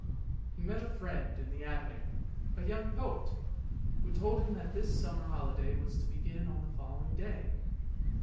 He met a friend in the Avenue, a young poet, who told him that his summer holiday was to begin on the following day.